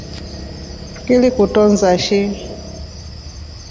Ngilikutoonza shi.